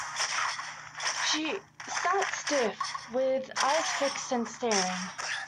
She sat stiff, with eyes fixed and staring.